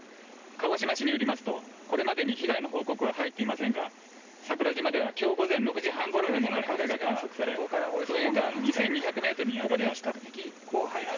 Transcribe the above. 鹿児島市によりますと、これまでに被害の報告は入っていませんが、桜島ではきょう午前６時半ごろにも観測され、噴煙が２２００メートル上がりました。